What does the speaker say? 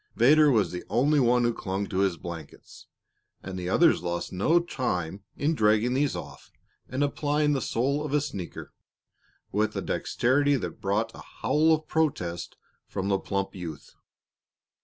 Vedder was the only one who clung to his blankets, and the others lost no time in dragging these off and applying the sole of a sneaker with a dexterity that brought a howl of protest from the plump youth.